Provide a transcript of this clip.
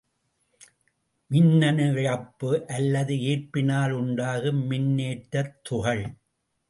மின்னணு இழப்பு அல்லது ஏற்பினால் உண்டாகும் மின்னேற்றத் துகள்.